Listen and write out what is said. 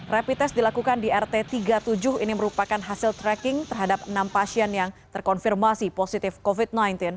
rapid test dilakukan di rt tiga puluh tujuh ini merupakan hasil tracking terhadap enam pasien yang terkonfirmasi positif covid sembilan belas